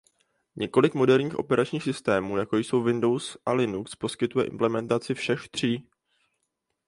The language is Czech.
Několik moderních operačních systémů jako jsou Windows a Linux poskytuje implementaci všech tří.